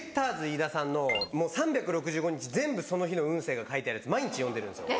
飯田さんのもう３６５日全部その日の運勢が書いてあるやつ毎日読んでるんですよ。